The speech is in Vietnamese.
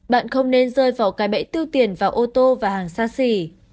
bạn không nên rơi vào cái bẫy tiêu tiền vào ô tô và hàng xa xỉ